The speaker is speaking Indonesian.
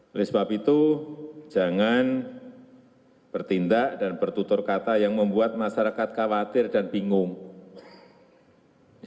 oleh sebab itu jangan bertindak dan bertutur kata yang membuat masyarakat khawatir dan bingung